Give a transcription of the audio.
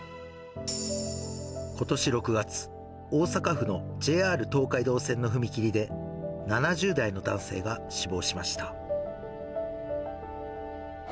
ことし６月、大阪府のＪＲ東海道線の踏切で、７０代の男性が死亡しました。